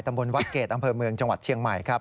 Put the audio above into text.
ตำบลวัดเกดอำเภอเมืองจังหวัดเชียงใหม่